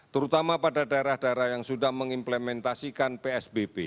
terutama pada daerah daerah yang sudah mengimplementasikan psbb